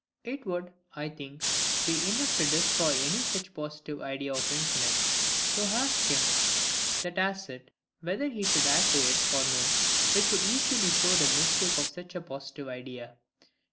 It would, I think, be enough to destroy any such positive idea of infinite, to ask him that has it,—whether he could add to it or no; which would easily show the mistake of such a positive idea.